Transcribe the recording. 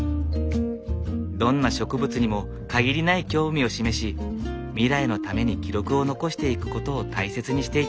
どんな植物にも限りない興味を示し未来のために記録を残していくことを大切にしていた牧野博士。